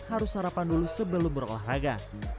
harus sarapan dulu sebelum berolahraga